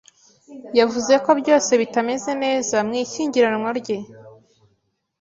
Yavuze ko byose bitameze neza mu ishyingiranwa rye.